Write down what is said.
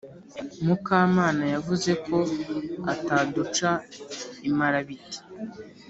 Mukamana yavuze ko ataduha imarabiti